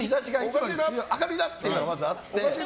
明るいなっていうのがまずあって。